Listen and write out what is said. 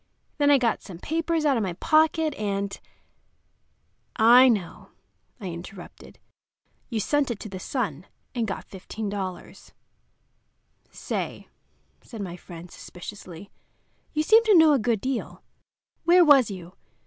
Then I got some papers out of my pocket, and—" "I know," I interrupted. "You sent it to the Sun and got $15." "Say," said my friend, suspiciously, "you seem to know a good deal. Where was you?